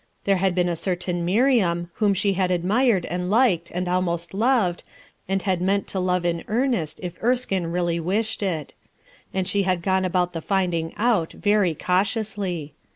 There had been a certain Miriam whom she had admired and liked and almost loved, and had meant to love in earnest if Erskinc really wished it. And she had gone about the finding out very cautiously.